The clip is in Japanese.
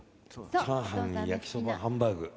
チャーハンに焼きそばハンバーグ。